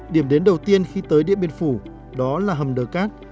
điểm đến đầu tiên khi tới điện biên phủ đó là hầm đờ cát